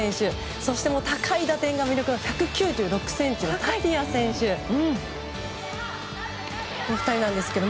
そして高い打点が魅力の１９６ｃｍのタピア選手の２人なんですけれども。